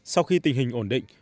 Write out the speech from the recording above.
sau khi tình hình ổn định